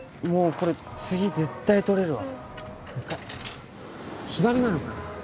これ次絶対取れるわ左なのかな？